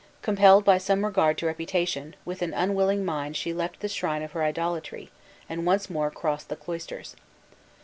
Compelled by some regard to reputation, with an unwilling mind she left the shrine of her idolatry, and once more crossed the cloisters.